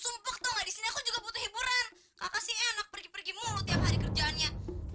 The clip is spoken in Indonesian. sumpah tuh nggak di sini aku juga butuh hiburan kakak sih enak pergi pergi mulu tiap hari kerjaannya